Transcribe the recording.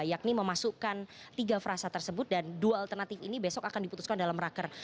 yakni memasukkan tiga frasa tersebut dan dua alternatif ini besok akan diputuskan dalam raker